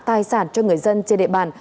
tài sản cho người dân trên địa bàn